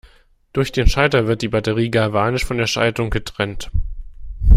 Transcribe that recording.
Durch den Schalter wird die Batterie galvanisch von der Schaltung getrennt.